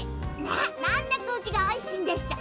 なんてくうきがおいしいんでしょ。